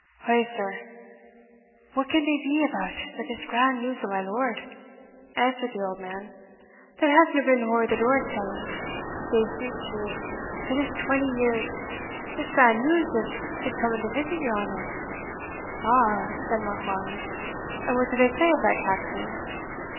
"Ou, sir, what can they be about but this grand news o' my lord," answered the old man, "that hasna been ower the door stane, they threep to me, for this twenty years this grand news of his coming to visit your honour?" "Aha!" said Monkbarns; "and what do they say of that, Caxon?"